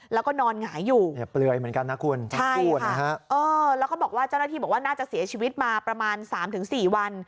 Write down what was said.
แล้วก็นอนหงายอยู่ใช่ค่ะแล้วก็บอกว่าเจ้าหน้าทีบอกว่าน่าจะเสียชีวิตมาประมาณ๓๔วัน